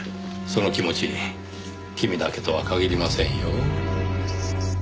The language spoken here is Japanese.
その気持ち君だけとは限りませんよ。